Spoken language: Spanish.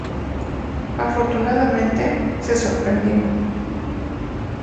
Afortunadamente, se sorprendió.